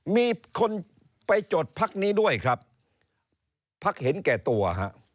มีคนไปจดพักนี้ด้วยครับพักเห็นแก่ตัวฮะ